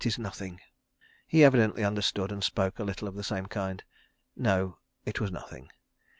{134b} He evidently understood and spoke a little of the same kind. No. It was nothing.